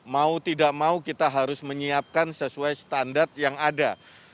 mau tidak mau kita harus menyiapkan sesuai standar yang ada